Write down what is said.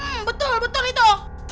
hmm betul betul itu